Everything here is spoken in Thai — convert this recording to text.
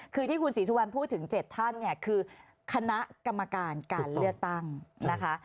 คือที่คุณศรีสุวรรณพูดถึง๗ท่านเนี่ยคือคณะกรรมการการเลือกตั้งนะคะ